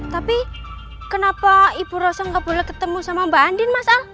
tapi kenapa ibu rosa nggak boleh ketemu sama mbak andin mas al